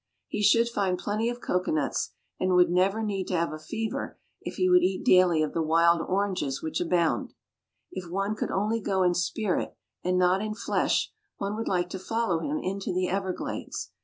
He should find plenty of cocoanuts, and would never need to have a fever if he would eat daily of the wild oranges which abound. If one only could go in spirit, and not in flesh, one would like to follow him into the everglades.